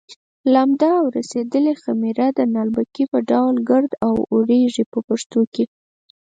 لمده او رسېدلې خمېره د نالبکي په ډول ګرد اوارېږي په پښتو کې.